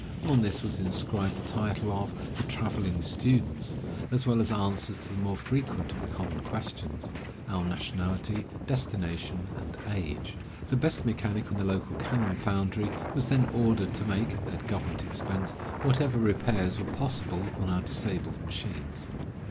On this was inscribed the title of "The Traveling Students," as well as answers to the more frequent of the common questions — our nationality, destination, and age. The best mechanic in the local cannon foundry was then ordered to make, at government expense, whatever repairs were possible on our disabled machines.